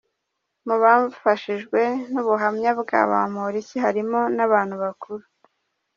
Mu bafashijwe n’ubuhamya bwa Bamporiki harimo n’abantu bakuru.